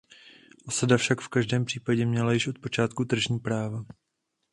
Osada však v každém případě měla již od počátku tržní práva.